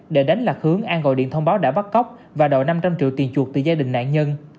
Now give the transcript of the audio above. để đánh lạc hướng an gọi điện thông báo đã bắt cóc và đòi năm trăm linh triệu tiền chuột từ gia đình nạn nhân